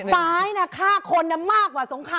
เดี๋ยวกลับมาให้คุณอูแก่